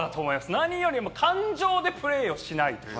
何よりも感情でプレーをしない。